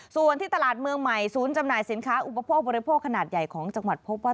ส่วนที่ตลาดเมืองใหม่ศูนย์จำหน่ายสินค้าอุปโภคบริโภคขนาดใหญ่ของจังหวัดพบว่า